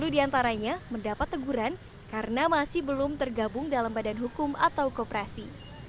dua puluh diantaranya mendapat teguran karena masih belum tergabung dalam badan hukum atau koperasi